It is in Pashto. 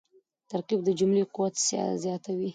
ترکیب د جملې قوت زیاتوي.